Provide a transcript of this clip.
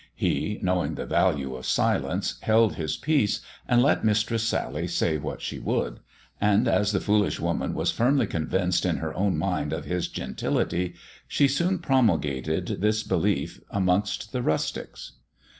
He, knowing the value of silence, held his peace, and let Mistress Sally say what she would ; and, as the foolish woman was firmly convinced in her own mind of his gentility, she soon promulgated this belief THE dwarf's chamber 13 amongst the rustics.